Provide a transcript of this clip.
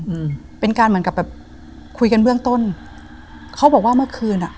อืมเป็นการเหมือนกับแบบคุยกันเบื้องต้นเขาบอกว่าเมื่อคืนอ่ะ